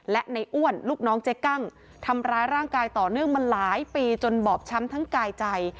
และในอ้วนลูกน้องเจ๊กั้งทำร้ายร่างกายต่อเนื่องมาหลายปีจนบอบช้ำทั้งกายใจ